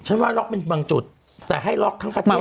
แต่ให้ล็อกทั้งประเทศคงไม่แล้ว